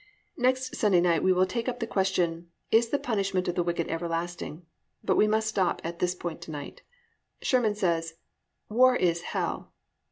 Next Sunday night we will take up the question, Is the Punishment of the Wicked Everlasting, but we must stop at this point to night. Sherman said, "War is hell."